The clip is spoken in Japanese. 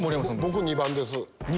僕２番です。